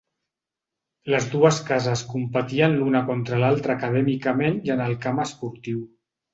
Les dues cases competien l'una contra l'altra acadèmicament i en el camp esportiu.